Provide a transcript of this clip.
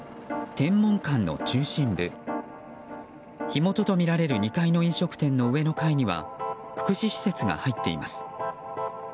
天文館の中心部火元とみられる２階の飲食店の上の階には福祉施設が入っています。